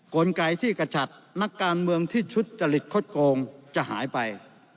กลไกที่กระจัดนักการเมืองที่ทุจริตคดโกงจะหายไป